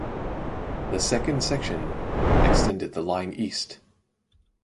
The second section extended the line east.